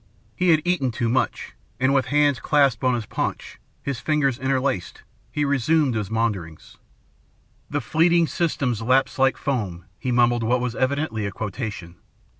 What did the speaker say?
He had eaten too much, and, with hands clasped on his paunch, the fingers interlaced, he resumed his maunderings. "'The fleeting systems lapse like foam,'" he mumbled what was evidently a quotation.